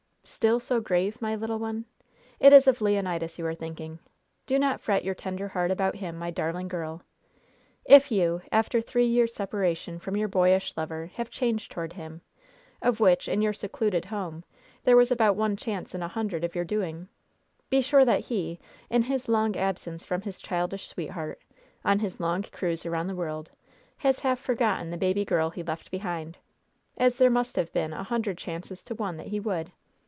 "Still so grave, my little one? It is of Leonidas you are thinking! Do not fret your tender heart about him, my darling girl! If you, after three years separation from your boyish lover, have changed toward him of which, in your secluded home, there was about one chance in a hundred of your doing be sure that he, in his long absence from his childish sweetheart, on his long cruise around the world, has half forgotten the baby girl he left behind as there must have been a hundred chances to one that he would.